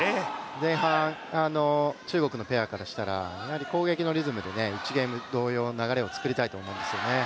前半中国のペアからしたら攻撃のリズムで、１ゲーム同様の流れを作りたいと思うんですよね。